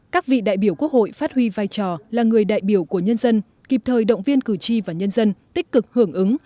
các vị đại biểu quốc hội phát huy vai trò là người đại biểu của nhân dân kịp thời động viên cử tri và nhân dân tích cực hưởng ứng